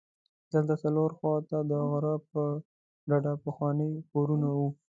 دلته څلورو خواوو ته د غره په ډډه پخواني کورونه وو.